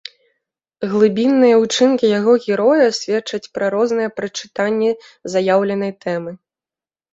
Глыбінныя ўчынкі яго героя сведчаць пра розныя прачытанні заяўленай тэмы.